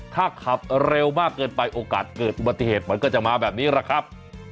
ถ้าขับเร็วมากเกินไปโอกาสเกิดอุบัติเหตุมันก็จะมาแบบนี้แหละครับ